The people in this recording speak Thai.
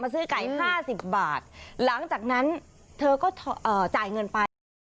ซื้อไก่๕๐บาทหลังจากนั้นเธอก็จ่ายเงินไป